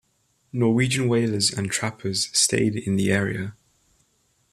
Norwegian whalers and trappers stayed in the area.